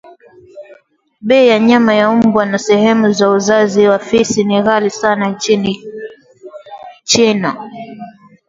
bei ya nyama ya mbwa na sehemu za uzazi wa fisi ni ghali sana nchini China